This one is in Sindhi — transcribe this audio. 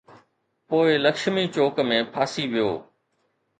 پوءِ لڪشمي چوڪ ۾ ڦاسي پيو.